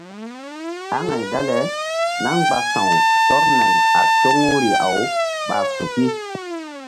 Aŋay dale náh mgba sa̧w tɔr nay a toŋuri-awɓa suki.